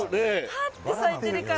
ぱって咲いてるから。